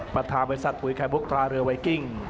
ประธาบัติภาษาบุญไขมกตราเรือไวกิ้ง